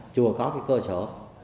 chưa có cơ sở